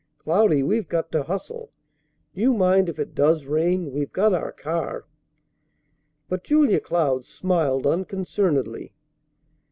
"Cloudy, we've got to hustle. Do you mind if it does rain? We've got our car." But Julia Cloud smiled unconcernedly.